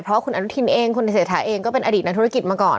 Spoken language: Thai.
เพราะคุณอนุทินเองคุณเศรษฐาเองก็เป็นอดีตนักธุรกิจมาก่อน